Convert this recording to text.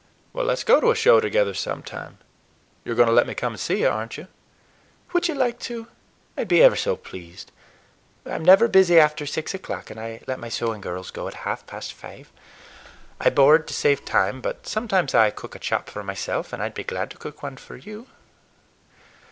"Let's go to a show together sometime. You are going to let me come to see you, are n't you?" "Would you like to? I'd be ever so pleased. I'm never busy after six o'clock, and I let my sewing girls go at half past five. I board, to save time, but sometimes I cook a chop for myself, and I'd be glad to cook one for you.